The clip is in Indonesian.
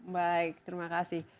baik terima kasih